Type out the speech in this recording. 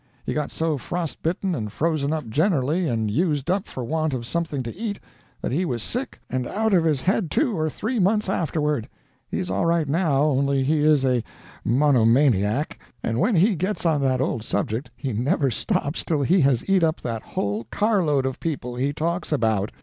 He got so frost bitten and frozen up generally, and used up for want of something to eat, that he was sick and out of his head two or three months afterward. He is all right now, only he is a monomaniac, and when he gets on that old subject he never stops till he has eat up that whole car load of people he talks about.